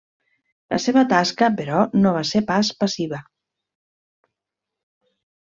La seva tasca, però, no va ser pas passiva.